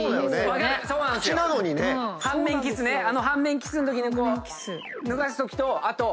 あの半面キスのときにこう脱がすときとあと。